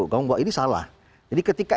gawang bahwa ini salah jadi ketika